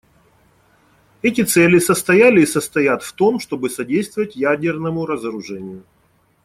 Эти цели состояли и состоят в том, чтобы содействовать ядерному разоружению.